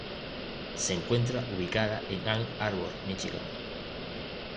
Se encuentra ubicada en Ann Arbor, Míchigan.